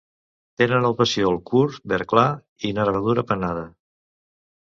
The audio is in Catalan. Tenen el pecíol curt verd clar i nervadura pennada.